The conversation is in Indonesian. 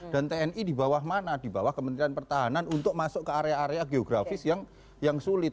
dan tni di bawah mana di bawah kementerian pertahanan untuk masuk ke area area geografis yang sulit